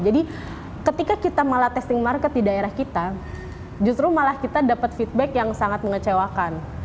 jadi ketika kita malah testing market di daerah kita justru malah kita dapat feedback yang sangat mengecewakan